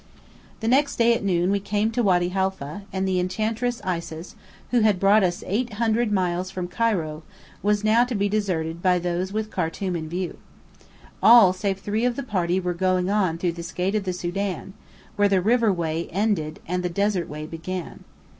The next day at noon, we came to Wady Halfa; and the Enchantress Isis who had brought us eight hundred miles from Cairo, was now to be deserted by those with Khartum in view. All save three of the party were going on through this gate of the Sudan, where the river way ended and the desert way began.